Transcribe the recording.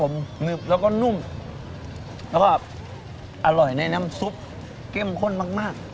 หนึบแล้วก็นุ่มแล้วก็อร่อยในน้ำซุปเข้มข้นมากมาก